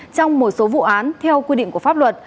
trong một số vụ án theo quy định của pháp luật